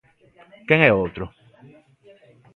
Quen é o outro?